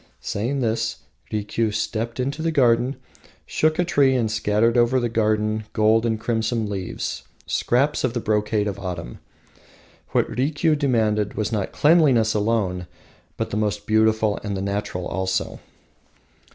Saying this, Rikiu stepped into the garden, shook a tree and scattered over the garden gold and crimson leaves, scraps of the brocade of autumn! What Rikiu demanded was not cleanliness alone, but the beautiful and the natural also.